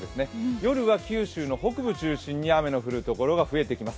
夜は九州の北部中心に雨の降るところが増えてきます。